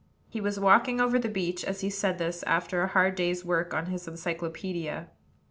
He was walking over the beach as he said this, after a hard day's work on his encyclopædia.